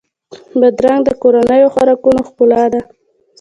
بادرنګ د کورنیو خوراکونو ښکلا ده.